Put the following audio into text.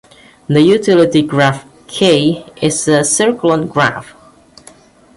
The utility graph "K" is a circulant graph.